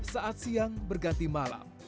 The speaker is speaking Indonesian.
saat siang berganti malam